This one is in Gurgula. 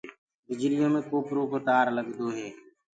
بجليٚ يو مي ڪوپرو ڪو تآر لگدو هي۔